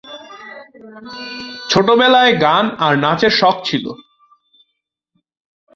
ছোটোবেলায় গান আর নাচের শখ ছিল।